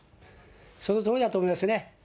そのとおりだと思いますね。